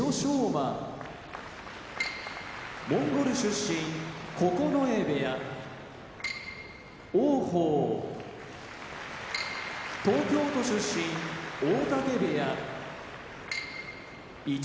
馬モンゴル出身九重部屋王鵬東京都出身大嶽部屋一